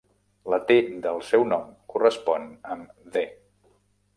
La "T" del seu nom correspon amb "The".